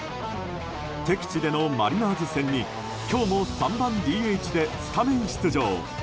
敵地でのマリナーズ戦に今日も３番ＤＨでスタメン出場。